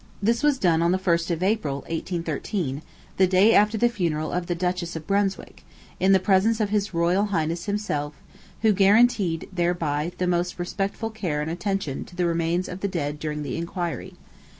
This was done on the 1st of April last, 1813, the day after the funeral of the Duchess of Brunswick, in the presence of his Royal Highness himself; who guarantied, thereby, the most respectful care and attention to the remains of the dead during the inquiry.